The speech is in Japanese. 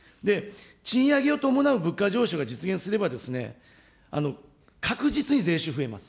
賃上げを伴う物価上昇が実現すればですね、確実に税収増えます。